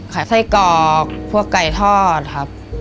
ไส้กรอกพวกไก่ทอดครับ